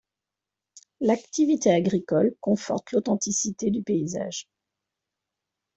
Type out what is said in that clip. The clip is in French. L'activité agricole conforte l'authenticité du paysage.